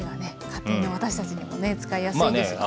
家庭の私たちにもね使いやすいです。